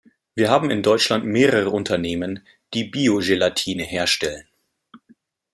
Wir haben in Deutschland mehrere Unternehmen, die Bio-Gelatine herstellen.